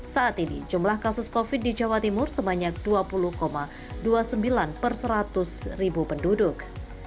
saat ini jumlah kasus covid sembilan belas di jawa timur sebanyak dua puluh dua puluh sembilan persatus ribu penduduk